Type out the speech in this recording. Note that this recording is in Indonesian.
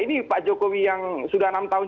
ini pak jokowi yang sudah enam tahun